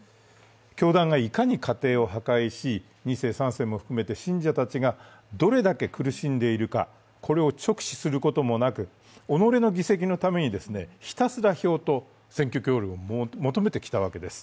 教団がいかに家庭を破壊し２世、３世も含めて信者たちがどれだけ苦しんでいるか、これを直視することなく己の議席のために、ひたすら票と選挙協力を求めてきたわけです。